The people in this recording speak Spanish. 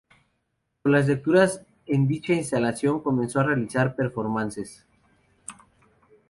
Con las lecturas en dicha instalación comenzó a realizar performances.